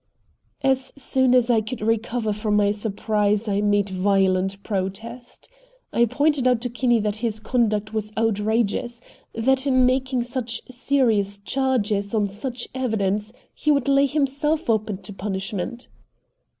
As soon as I could recover from my surprise, I made violent protest. I pointed out to Kinney that his conduct was outrageous, that in making such serious charges, on such evidence, he would lay himself open to punishment.